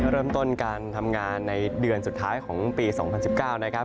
เริ่มต้นการทำงานในเดือนสุดท้ายของปี๒๐๑๙นะครับ